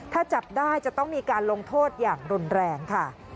ถ้าจับได้จะต้องมีการลงโทษอย่างรุนแรงค่ะ